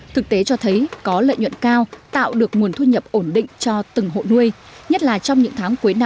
thực tế cho thấy có lợi nhuận cao tạo được nguồn thu nhập ổn định cho từng hộ nuôi nhất là trong những tháng cuối năm hai nghìn một mươi bảy